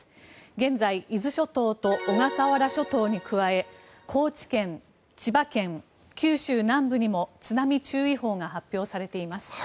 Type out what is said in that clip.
現在伊豆諸島と小笠原諸島に加え高知県、千葉県、九州南部にも津波注意報が発表されています。